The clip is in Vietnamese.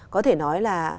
có thể nói là